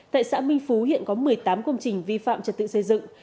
tại xã minh phú hiện có một mươi tám công trình vi phạm trật tự xây dựng